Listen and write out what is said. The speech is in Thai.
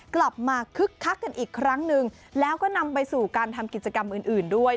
คึกคักกันอีกครั้งหนึ่งแล้วก็นำไปสู่การทำกิจกรรมอื่นอื่นด้วย